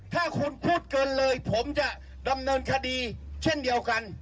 ถ้าคุณพูดเกินเลยผมจะดำเนินคดีเช่นเดียวกัน